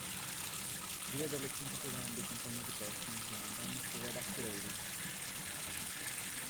Due delle cinque più grandi compagnie di pesca in Islanda hanno sede ad Akureyri.